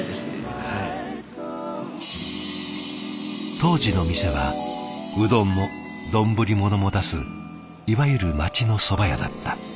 当時の店はうどんも丼物も出すいわゆる町のそば屋だった。